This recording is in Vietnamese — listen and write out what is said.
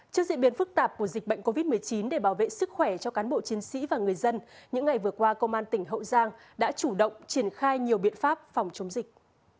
trước diễn biến phức tạp của dịch bệnh covid một mươi chín để bảo vệ sức khỏe cho cán bộ chiến sĩ và người dân những ngày vừa qua công an tỉnh hậu giang đã chủ động triển khai nhiều biện pháp phòng chống dịch